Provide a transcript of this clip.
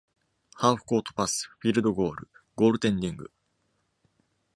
ハーフコートパス、フィールドゴール、ゴールテンディング。